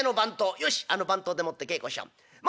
よしあの番頭でもって稽古しちゃおう。